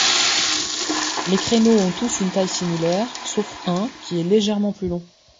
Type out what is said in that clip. Les créneaux ont tous une taille similaire, sauf un qui est légèrement plus long.